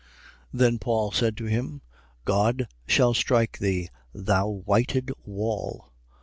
23:3. Then Paul said to him: God shall strike thee, thou whited wall.